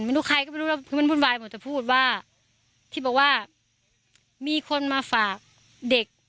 ไม่รู้ใครก็ไม่รู้แล้วคือมันวุ่นวายหมดแต่พูดว่าที่บอกว่ามีคนมาฝากเด็ก